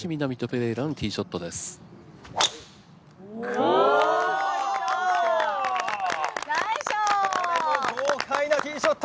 これぞ豪快なティーショット！